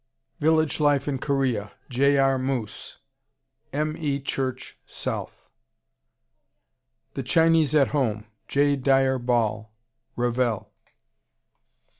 Village Life in Korea, J. R. Moose M. E. Church, South. The Chinese at Home, J. Dyer Ball Revell.